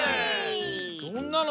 どんなの？